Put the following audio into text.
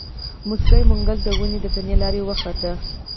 موسکی منګلی د ونې د تنې له لارې وخوت.